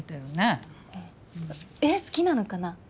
絵好きなのかな？